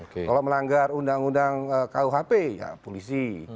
kalau melanggar undang undang kuhp ya polisi